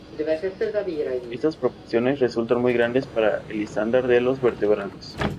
Estas proporciones resultan muy grandes para el estándar de los vertebrados.